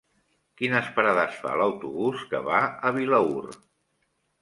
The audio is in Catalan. Quines parades fa l'autobús que va a Vilaür?